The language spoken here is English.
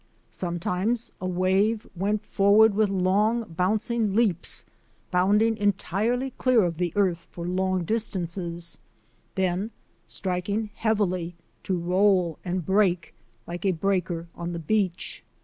Sometimes a wave went forward with long, bouncing leaps, bounding entirely clear of the earth for long distances, then striking heavily to roll and break, like a breaker on the beach.